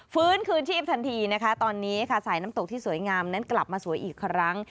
ฟื้นคืนชีพทันทีนะคะตอนนี้ค่ะสายน้ำตกที่สวยงามนั้นกลับมาสวยอีกครั้ง